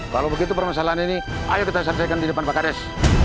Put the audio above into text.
kalau begitu permasalahan ini ayo kita selesaikan di depan pak kades